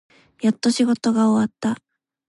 やっと仕事が終わった。